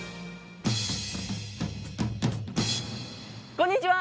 こんにちは！